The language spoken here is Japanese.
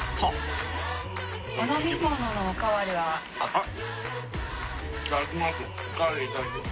あっ。